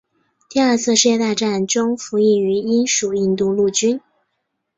第二次世界大战中服役于英属印度陆军。